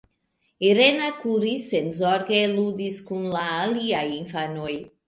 Irena kuris, senzorge ludis kun la aliaj infanoj.